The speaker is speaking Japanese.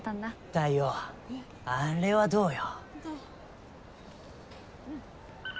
太陽あれはどうよ？